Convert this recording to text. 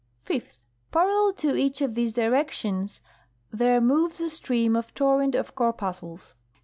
Fifth. Parallel to each of these directions there moves a stream or torrent of corpuscles.